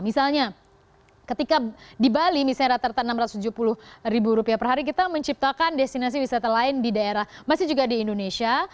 misalnya ketika di bali misalnya rata rata enam ratus tujuh puluh ribu rupiah per hari kita menciptakan destinasi wisata lain di daerah masih juga di indonesia